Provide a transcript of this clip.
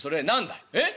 「えっ？